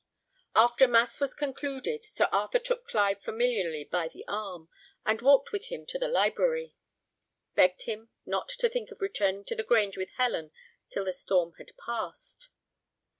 After mass was concluded, Sir Arthur took Clive familiarly by the arm, and walking with him into the library, begged him not to think of returning to the Grange with Helen till the storm had passed.